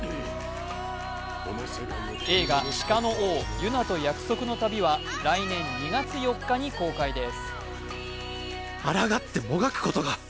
映画「鹿の王ユナと約束の旅」は来年２月４日に公開です。